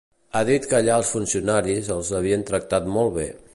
Ha dit que allà els funcionaris els havien tractar molt bé.